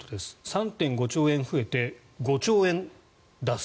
３．５兆円増えて５兆円出す。